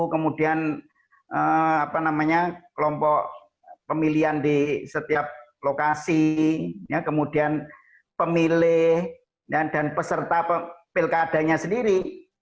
kemudian kelompok pemilihan di setiap lokasi kemudian pemilih dan peserta pilkadanya sendiri